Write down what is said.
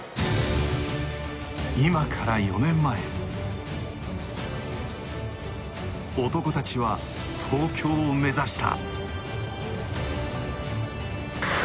今から４年前、男たちは東京を目指した。